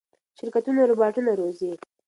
شرکتونه روباټونه روزي.